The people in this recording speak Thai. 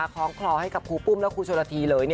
คล้องคลอให้กับครูปุ้มและครูชนละทีเลย